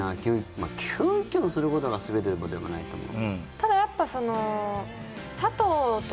まあキュンキュンすることが全てではないと思う